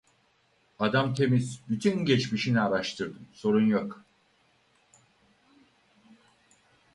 Adam temiz, bütün geçmişini araştırdım, sorun yok.